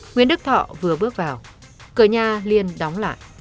nguyễn đức thọ vừa bước vào cờ nhà liên đóng lại